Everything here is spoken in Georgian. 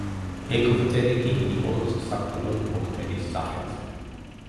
ეგვტერი კი ნიკოლოზ საკვირველთმოქმედის სახელზე.